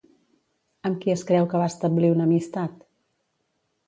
Amb qui es creu que va establir una amistat?